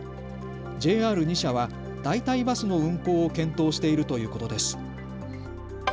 ＪＲ２社は代替バスの運行を検討しているということです。